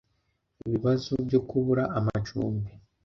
ibibazo byo kubura amacumbi